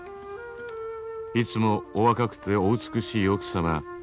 「いつもお若くてお美しい奥様。